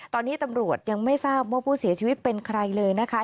ตอนนี้ตำรวจยังไม่ทราบว่าผู้เสียชีวิตเป็นใครเลยนะคะ